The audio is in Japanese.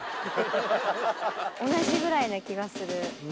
同じぐらいな気がする。